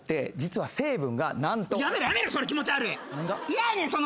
嫌やねん